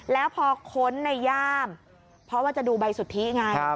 แล้วพอค้นในย่ามเพราะว่าจะดูใบสุทธิไง